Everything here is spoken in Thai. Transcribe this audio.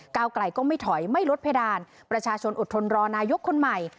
ไกลก็ไม่ถอยไม่ลดเพดานประชาชนอดทนรอนายกคนใหม่